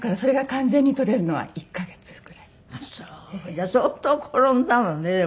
じゃあ相当転んだのねでも。